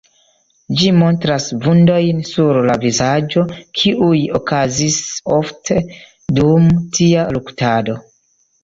Ĝi montras vundojn sur la vizaĝo, kiuj okazis ofte dum tia luktado.